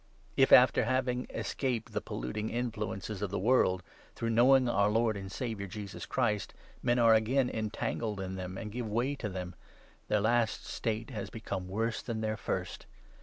If, after 20 having escaped the polluting influences of the world, through knowing our Lord and Saviour, Jesus Christ, men are again entangled in them, and give way to them, their last state has become worse than their first.